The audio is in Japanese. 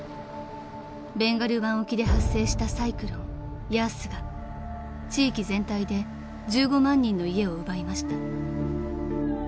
［ベンガル湾沖で発生したサイクロンヤースが地域全体で１５万人の家を奪いました］